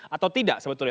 atau tidak sebetulnya